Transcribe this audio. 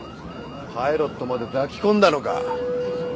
パイロットまで抱き込んだのか。